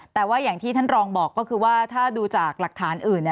แต่ว่าอย่างที่ท่านรองบอกก็คือว่าถ้าดูจากหลักฐานอื่น